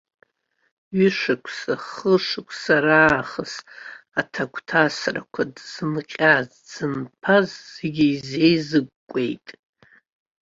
Ҩы-шықәса, хышықәса раахыс аҭагәҭасрақәа, дзынҟьаз-дзынԥаз зегьы изеизыкәкәеит.